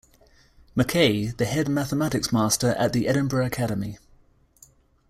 Mackay, the head mathematics master at the Edinburgh Academy.